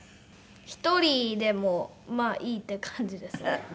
１人でもまあいいっていう感じですね。